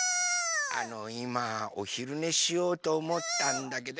あのいまおひるねしようとおもったんだけど。